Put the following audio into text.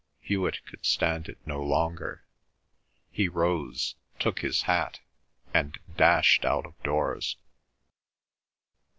Hewet could stand it no longer. He rose, took his hat and dashed out of doors.